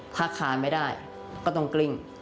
ถ้าคานไม่ได้ก็ต้องกลิ้ง